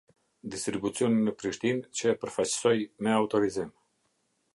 Distribucioni Prishtinë, që e përfaqësoj me autorizim.